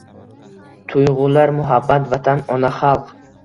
Tuyg’ular – muhabbat, Vatan, ona xalq